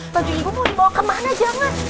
baju ibu mau dibawa kemana jangan